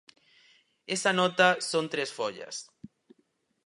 Esa nota son tres follas.